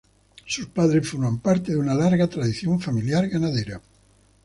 Sus padres forman parte de una larga tradición familiar ganadera.